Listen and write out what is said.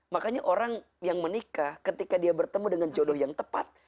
makanya orang yang menikah ketika dia bertemu dengan jodoh yang tepat